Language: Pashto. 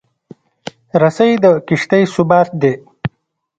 رسۍ د کښتۍ ثبات دی.